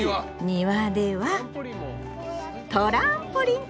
庭ではトランポリン！